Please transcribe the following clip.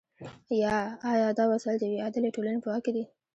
یا آیا دا وسایل د یوې عادلې ټولنې په واک کې دي؟